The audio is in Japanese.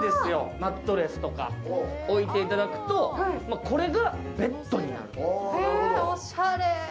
マットレスとか置いていただくとこれがベッドになって。